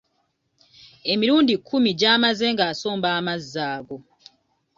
Emirundi kkumi gy'amaze nga asomba amazzi ago.